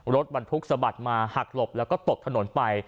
รถบรรทุกสะบัดมาหักหลบแล้วก็ตกถนนไป